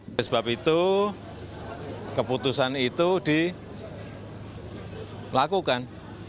oleh sebab itu keputusan itu dilakukan